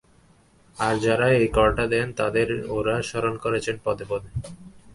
আর যাঁরা এই করটা দেন, তাঁদের ওঁরা স্মরণ করছেন পদে পদে।